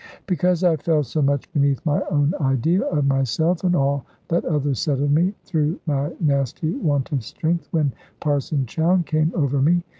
Because I fell so much beneath my own idea of myself, and all that others said of me, through my nasty want of strength, when Parson Chowne came over me.